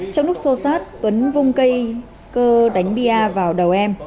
trong lúc xô xát tuấn vung cây cơ đánh bia vào đầu em